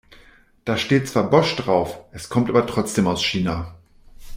Da steht zwar Bosch drauf, es kommt aber trotzdem aus China.